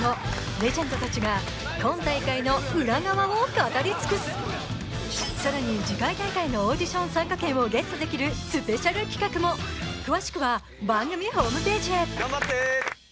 レジェンド達が今大会の裏側を語り尽くす更に次回大会のオーディション参加権をゲットできるスペシャル企画も詳しくは番組ホームページへ